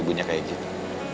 ibunya kayak gitu